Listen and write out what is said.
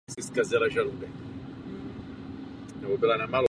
Na severovýchodní straně jádra stávala drobná čtverhranná věž.